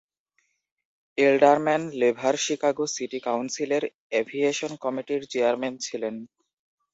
এলডারম্যান Lever Chicago city কাউন্সিলের aviation কমিটির chairman ছিলেন।